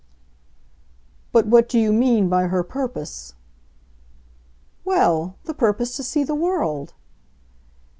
"But what do you mean by her purpose?" "Well—the purpose to see the world!"